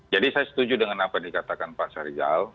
jadi saya setuju dengan apa yang dikatakan pak syarizel